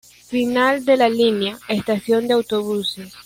Final de la línea: Estación de autobuses.